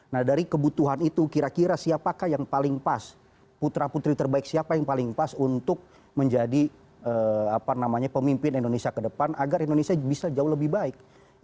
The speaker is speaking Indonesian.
nah dari kebutuhan itu kira kira siapakah yang paling pas putra putri terbaik siapa yang paling pas untuk menjadi pemimpin indonesia ke depan agar indonesia bisa jauh lebih baik